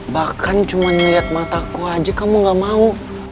bahkan cuma melihat mataku aja kamu gak mau